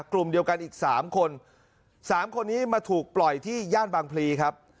กลุ่มเดียวกันอีกสามคนสามคนนี้มาถูกปล่อยที่ย่านบางพลีครับ